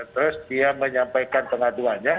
terus dia menyampaikan pengaduannya